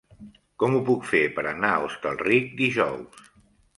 Com ho puc fer per anar a Hostalric dijous?